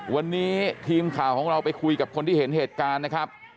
วันนี้ทีมข่าวของเราไปคุยกับคนที่เห็นเหตุการณ์นะครับ